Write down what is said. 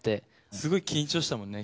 すごい緊張してたもんね。